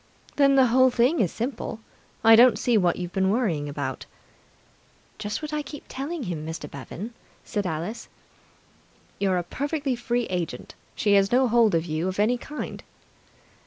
"Then the whole thing is simple. I don't see what you've been worrying about." "Just what I keep telling him, Mr. Bevan," said Alice. "You're a perfectly free agent. She has no hold on you of any kind."